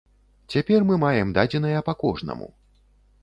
Цяпер мы маем дадзеныя па кожнаму.